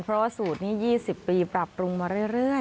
เพราะว่าสูตรนี้๒๐ปีปรับปรุงมาเรื่อย